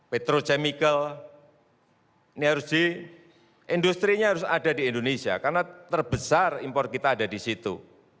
petrochemical ini harus di industri nya harus ada di indonesia karena terbesar import kita ada di situ